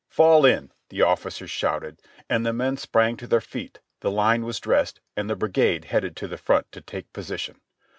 "Fall in !" the officers shouted, and the men sprang to their feet, the line was dressed, and the brigade headed to the front to take position.